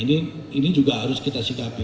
nah ini juga harus kita sikapi